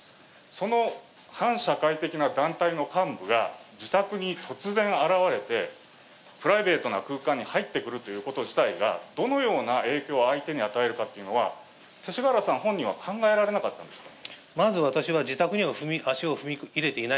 その反社会的な団体の幹部が自宅に突然現れて、プライベートな空間に入ってくるということ自体がどのような影響を相手に与えるかというのは、勅使川原さん本人は考えられなかったんですか？